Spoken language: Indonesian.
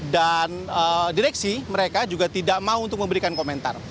dan direksi mereka juga tidak mau untuk memberikan komentar